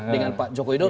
dengan pak jokowi dodo